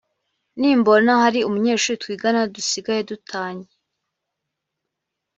nimbona hari umunyeshuri twigana dusigaye dutanye